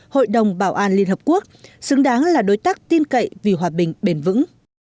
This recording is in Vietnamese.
hội đồng bảo an liên hợp quốc xứng đáng là đối tác tin cậy vì hòa bình bền vững